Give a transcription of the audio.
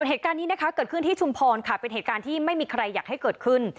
เหตุการณ์นี้นะคะเกิดขึ้นที่ชุมพรค่ะเป็นเหตุการณ์ที่ไม่มีใครอยากให้เกิดขึ้น